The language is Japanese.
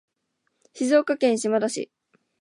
静岡県島田市